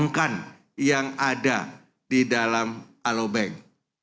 perbankan yang ada di dalam alo bank